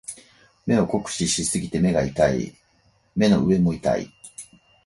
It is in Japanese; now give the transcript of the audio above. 目を酷使しすぎて目が痛い。目の上も痛い。